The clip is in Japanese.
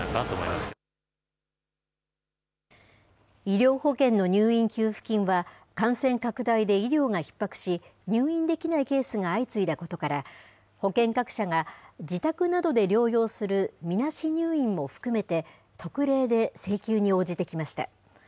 医療保険の入院給付金は、感染拡大で医療がひっ迫し、入院できないケースが相次いだことから、保険各社が自宅などで療養するみなし入院も含めて、特例で請求に応じてきました。